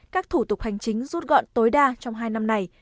các thủ tục hành chính rút gọn tối đa trong hai năm này